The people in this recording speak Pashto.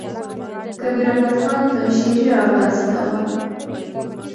کبیر احمد خان پنجشېري را واستاوه.